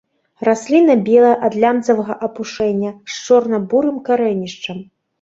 Расліна белая ад лямцавага апушэння, з чорна-бурым карэнішчам.